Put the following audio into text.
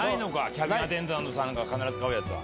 キャビンアテンダントさんが必ず買うやつは。